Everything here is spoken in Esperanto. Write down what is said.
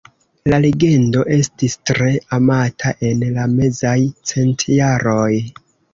La legendo estis tre amata en la mezaj centjaroj.